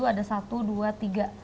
ada satu dua tiga